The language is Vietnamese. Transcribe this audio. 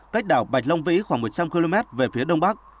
cách đảo bạch long vĩ khoảng một trăm linh km về phía đông bắc